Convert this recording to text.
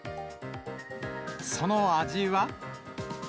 その味は。